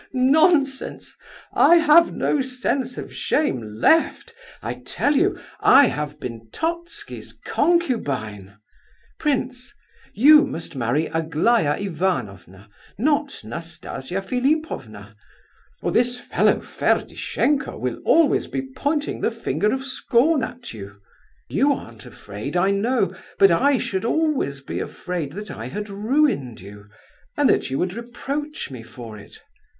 nonsense! I have no sense of shame left. I tell you I have been Totski's concubine. Prince, you must marry Aglaya Ivanovna, not Nastasia Philipovna, or this fellow Ferdishenko will always be pointing the finger of scorn at you. You aren't afraid, I know; but I should always be afraid that I had ruined you, and that you would reproach me for it.